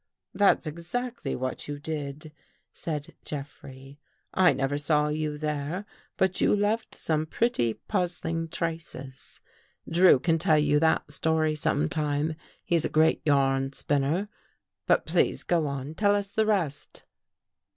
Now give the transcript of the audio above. " That's exactly what you did," said Jeffrey. " I never saw you there, but you left some pretty puz zling traces. Drew can tell you that story some time. He's a great yarn spinner. But please go on. Tell us the rest."